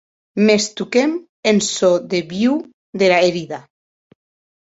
Mès toquem en çò de viu dera herida.